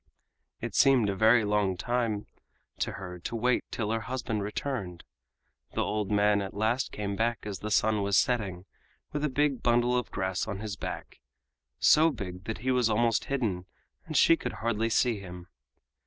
It seemed a very long time to her to wait till her husband returned. The old man at last came back as the sun was setting, with a big bundle of grass on his back—so big that he was almost hidden and she could hardly see him.